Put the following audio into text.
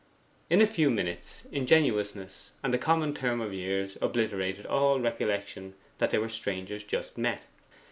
In a few minutes ingenuousness and a common term of years obliterated all recollection that they were strangers just met.